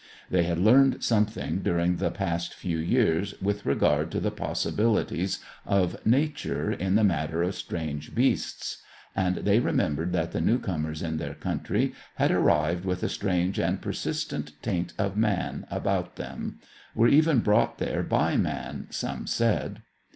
They had learned something during the past few years with regard to the possibilities of Nature in the matter of strange beasts; and they remembered that the new comers in their country had arrived with a strange and persistent taint of man about them; were even brought there by man, some said.